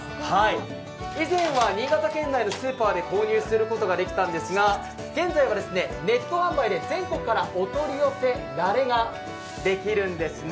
以前は新潟県内のスーパーで購入することができたんですが、現在は、ネット販売で全国からお取り寄せられができるんですね。